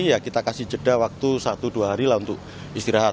ya kita kasih jeda waktu satu dua hari lah untuk istirahat